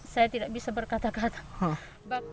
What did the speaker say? saya tidak bisa berkata kata